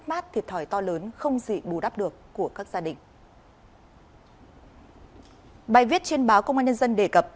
báo công an nhân dân đề cập